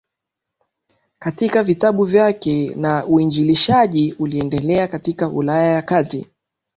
katika vitabu vyake na uinjilishaji uliendelea katika Ulaya ya Kati